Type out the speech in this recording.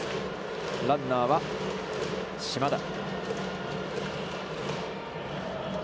ランナーは島田。